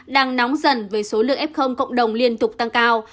đang nóng dần với số lượng f cộng đồng liên tục tăng cao